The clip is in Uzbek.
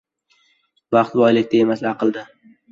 • Baxt boylikda emas, aqlda.